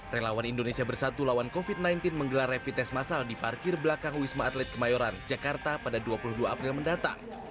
relawan indonesia bersatu lawan covid sembilan belas menggelar rapid test masal di parkir belakang wisma atlet kemayoran jakarta pada dua puluh dua april mendatang